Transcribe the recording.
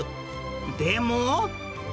でも。